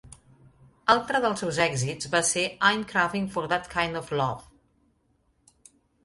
Altre dels seus èxits va ser "I'm Cravin' for that Kind of Love".